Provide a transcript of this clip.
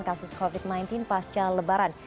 kasus covid sembilan belas pasca lebaran